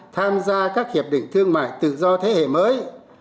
tham gia các hiệp định thương mại tự do thế hệ mới